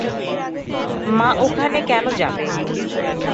মা ওখানে কেন যাবে?